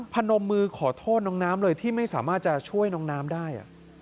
พนมมือขอโทษน้องน้ำเลยที่ไม่สามารถจะช่วยน้องน้ำได้